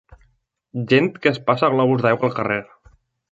Gent que es passa globus d'aigua al carrer